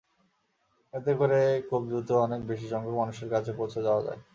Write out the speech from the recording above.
এতে করে খুব দ্রুত অনেক বেশিসংখ্যক মানুষের কাছে পৌঁছে যাওয়া যায়।